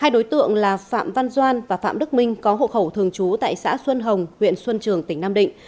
hai đối tượng là phạm văn doan và phạm đức minh có hộ khẩu thường trú tại xã xuân hồng huyện xuân trường tỉnh nam định